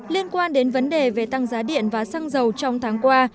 liên quan đến vấn đề về tăng giá điện và xăng dầu trong tháng qua